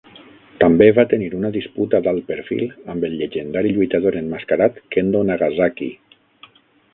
També va tenir una disputa d'alt perfil amb el llegendari lluitador emmascarat Kendo Nagasaki.